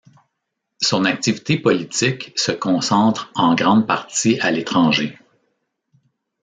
Son activité politique se concentre en grande partie à l'étranger.